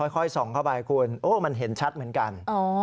ค่อยส่องเข้าไปคุณโอ้มันเห็นชัดเหมือนกัน